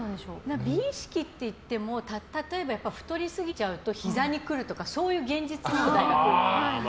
美意識っていっても例えば、太りすぎちゃうとひざに来るとかそういう現実問題が来る。